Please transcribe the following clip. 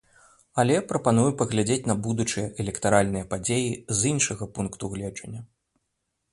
Але прапаную паглядзець на будучыя электаральныя падзеі з іншага пункту гледжання.